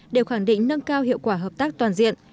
đều khẳng định nâng cao hiệu quả hợp tác toàn diện